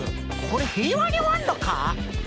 これ平和に終わんのか？